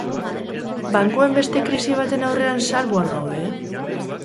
Bankuen beste krisi baten aurrean salbu al gaude?